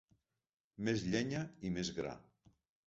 Més llenya i més gra